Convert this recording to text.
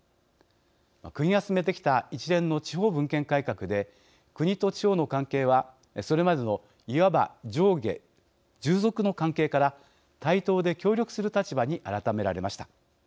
国が進めてきた一連の地方分権改革で国と地方の関係は、それまでのいわば、上下・従属の関係から対等で協力する立場に改められました。